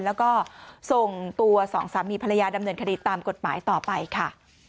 แล้วก็ส่งตัวสองสามีภรรยาดำเนินคดีตามกฎหมายต่อไปค่ะ